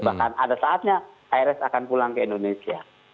bahkan ada saatnya irs akan pulang ke indonesia